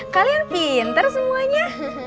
kalian pinter semuanya